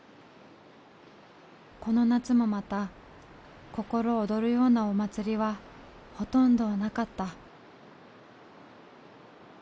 この夏もまた心躍るようなお祭りはほとんどなかった。